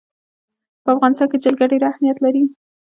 په افغانستان کې جلګه ډېر اهمیت لري.